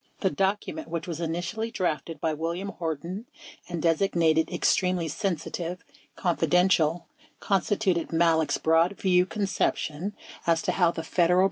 19 The document, which was initially drafted by William Horton and designated "Extremely Sensitive — Confidential," constituted Malek's broadview conception as to how the Federal bu 15 18 Hearings 8219.